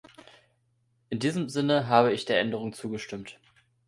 In diesem Sinne habe ich der Änderung zugestimmt.